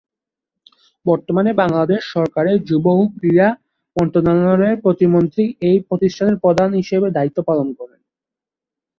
বর্তমানে বাংলাদেশ সরকারের যুব ও ক্রীড়া মন্ত্রণালয়ের প্রতিমন্ত্রী এই প্রতিষ্ঠানটির প্রধান হিসেবে দায়িত্ব পালন করেন।